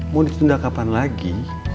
mau ditunda kapan lagi